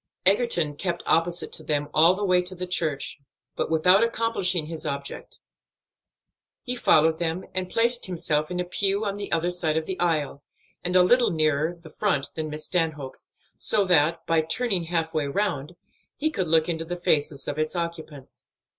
Egerton kept opposite to them all the way to the church, but without accomplishing his object. He followed them in and placed himself in a pew on the other side of the aisle, and a little nearer the front than Miss Stanhope's, so that, by turning half way round, he could look into the faces of its occupants.